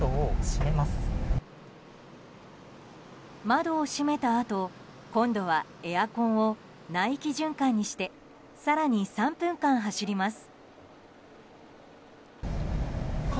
窓を閉めたあと、今度はエアコンを内気循環にして更に３分間走ります。